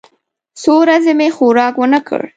څو ورځې مې خوراک ونه کړ.